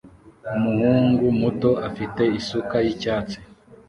Umuhungu muto afite isuka y'icyatsi